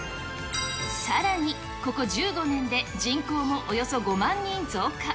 さらに、ここ１５年で人口もおよそ５万人増加。